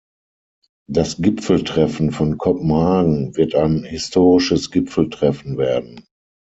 Das Gipfeltreffen von Kopenhagen wird ein historisches Gipfeltreffen werden.